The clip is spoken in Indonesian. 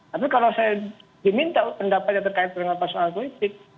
tapi kalau saya diminta pendapat yang terkait dengan soal politik